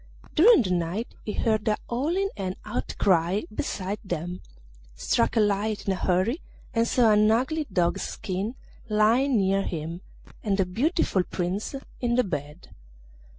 During the night he heard a howling and outcry beside them, struck a light in a hurry and saw an ugly dog's skin lying near him, and a beautiful Prince in the bed.